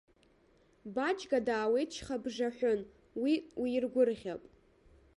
Баџьга даауеит шьхабжаҳәын, уи уиргәырӷьап.